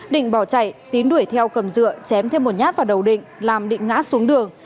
định bỏ chạy tín đuổi theo cầm dựa chém thêm một nhát vào đầu định làm định ngã xuống đường